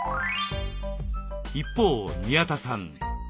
一方宮田さん